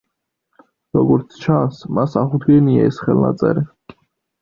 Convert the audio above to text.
როგორც ჩანს, მას აღუდგენია ეს ხელნაწერი.